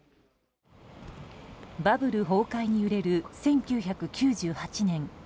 バブル崩壊に揺れる１９９８年。